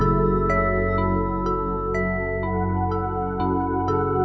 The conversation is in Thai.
โปรดติดตามตอนต่อไป